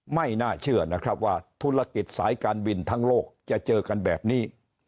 ไม่น่าเชื่อนะครับว่าธุรกิจสายการบินทั้งโลกจะเจอกันแบบนี้